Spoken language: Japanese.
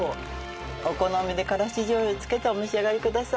お好みでからし醤油をつけてお召し上がりください。